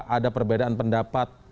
ada perbedaan pendapat